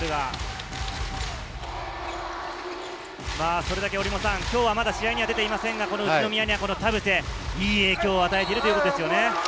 それだけ試合にはまだ出ていませんが、宇都宮には田臥、良い影響を与えているということですよね。